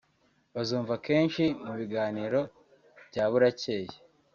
bazumva kenshi mu biganiro bya burakeye